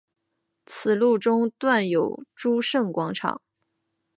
此路中段有诸圣广场。